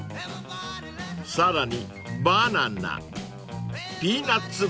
［さらにバナナピーナッツバター］